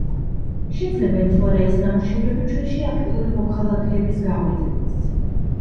შეძლებენ თუ არა ეს ნამუშევრები ჩვენში აქტიური მოქალაქეების გაღვიძებას.